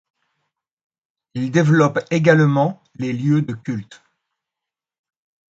Il développe également les lieux de culte.